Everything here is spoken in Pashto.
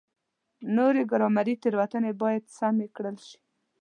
نورې ګرامري تېروتنې باید سمې کړل شي.